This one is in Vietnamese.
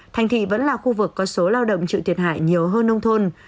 thành thị vẫn là khu vực có số lao động trự tiệt hại nhiều hơn nông thôn